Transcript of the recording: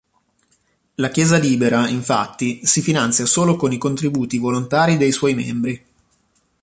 La "chiesa libera", infatti, si finanzia solo con i contributi volontari dei suoi membri.